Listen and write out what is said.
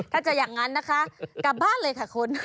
ถ้าจะอย่างนั้นนะคะกลับบ้านเลยค่ะคุณ